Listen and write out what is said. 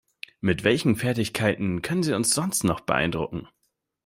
Mit welchen Fertigkeiten können Sie uns sonst noch beeindrucken?